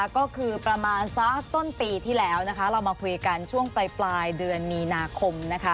ก็คือประมาณสักต้นปีที่แล้วเรามาคุยกันช่วงปลายเดือนมีนาคม